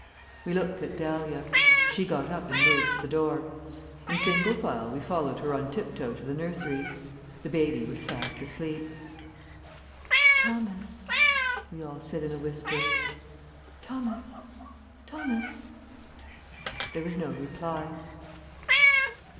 We looked at Dahlia. She got up and moved to the door. In single file we followed her on tip toe to the nursery. The baby was fast asleep. "Thomas," we all said in a whisper, "Thomas, Thomas." There was no reply.